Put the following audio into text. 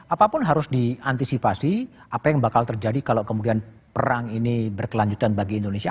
apapun harus diantisipasi apa yang bakal terjadi kalau kemudian perang ini berkelanjutan bagi indonesia